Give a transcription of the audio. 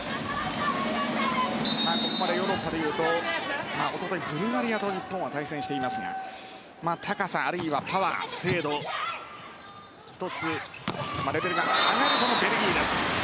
ここまでヨーロッパでいうと一昨日、ブルガリアと日本は対戦していますが高さ、あるいはパワー、精度と１つレベルが上がるベルギーです。